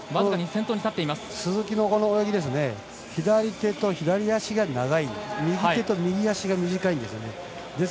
鈴木のこの泳ぎ左手と左足が長い、右手と右足が短いんです。